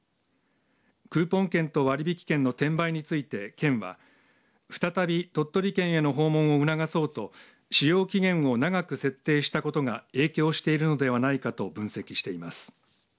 クーポン券と割引券の転売について県は再び鳥取県への訪問を促そうと使用期限を長く設定したことが影響しているのではないかと分析しています。